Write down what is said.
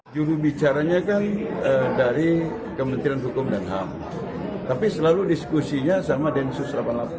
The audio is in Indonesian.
jurubicaranya kan dari kementerian hukum dan ham tapi selalu diskusinya sama densus delapan puluh delapan